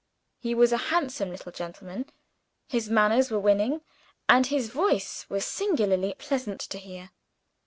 He was a handsome little gentleman; his manners were winning, and his voice was singularly pleasant to hear.